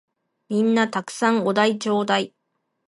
皆んな沢山お題ちょーだい！